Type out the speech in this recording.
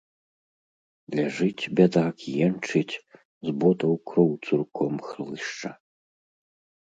Ляжыць, бядак, енчыць, з ботаў кроў цурком хлышча.